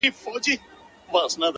o د مرگي راتلو ته ـ بې حده زیار باسه ـ